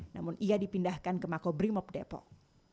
namun ia dipindahkan ke makobrimob depok